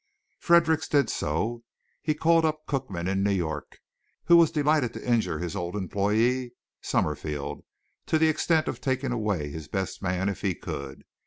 Fredericks did so. He called up Cookman, in New York, who was delighted to injure his old employee, Summerfield, to the extent of taking away his best man if he could.